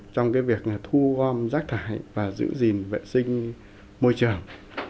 trong cái việc là thu gom rác thải và giữ gìn vệ sinh môi trường